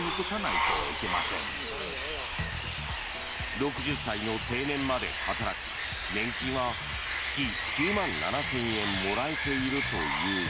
６０歳の定年まで働き年金は月９万７０００円もらえているというが。